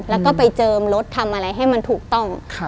แล้วก็ไปเจิมรถทำอะไรให้มันถูกต้อง